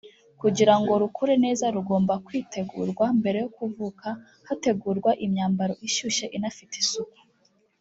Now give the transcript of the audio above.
kugira ngo rukure neza rugomba kwitegurwa mbere yo kuvuka hategurwa imyambaro ishyushye inafite isuku